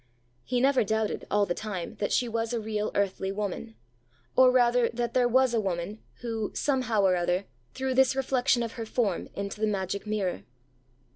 ã He never doubted, all the time, that she was a real earthly woman; or, rather, that there was a woman, who, somehow or other, threw this reflection of her form into the magic mirror.